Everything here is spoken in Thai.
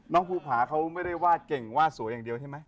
ภูผาเขาไม่ได้วาดเก่งวาดสวยอย่างเดียวใช่ไหม